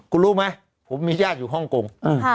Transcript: คุณรู้ไหมผมมีญาติอยู่ฮ่องกง